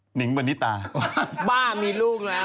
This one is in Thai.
หิงปณิตาบ้ามีลูกแล้ว